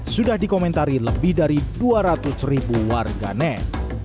sudah dikomentari lebih dari dua ratus ribu warganet